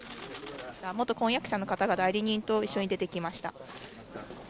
元婚約者の方が代理人と一緒に出てきました。